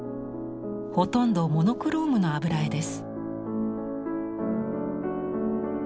ほとんどモノクロームの油絵です。